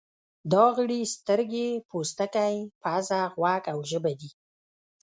دا غړي سترګې، پوستکی، پزه، غوږ او ژبه دي.